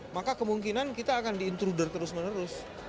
maka kemungkinan kita akan diintruder terus menerus